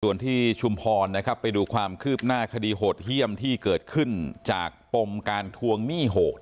ส่วนที่ชุมพรนะครับไปดูความคืบหน้าคดีโหดเยี่ยมที่เกิดขึ้นจากปมการทวงหนี้โหด